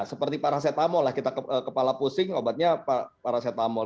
seperti paracetamol lah kita kepala pusing obatnya paracetamol